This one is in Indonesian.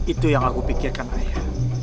itu yang aku pikirkan ayah